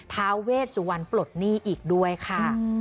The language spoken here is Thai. ท้าเวชสุวรรณปลดหนี้อีกด้วยค่ะ